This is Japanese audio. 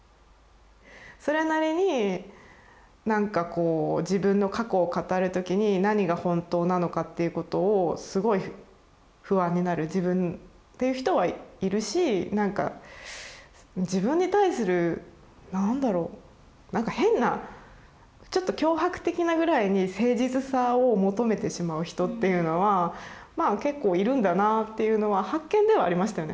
それなりに自分の過去を語るときに何が本当なのかっていうことをすごい不安になる自分っていう人はいるしなんか自分に対する何だろうなんか変なちょっと脅迫的なぐらいに誠実さを求めてしまう人っていうのはまあ結構いるんだなぁっていうのは発見ではありましたよね。